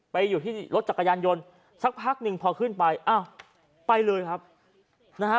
อยู่ที่รถจักรยานยนต์สักพักหนึ่งพอขึ้นไปอ้าวไปเลยครับนะฮะ